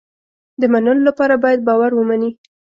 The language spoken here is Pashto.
د منلو لپاره باید باور ومني.